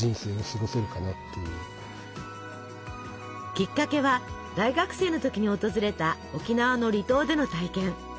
きっかけは大学生の時に訪れた沖縄の離島での体験。